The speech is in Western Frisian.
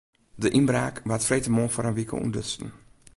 De ynbraak waard freedtemoarn foar in wike ûntdutsen.